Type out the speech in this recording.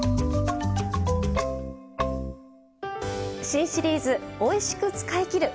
新シリーズ「おいしく使いきる！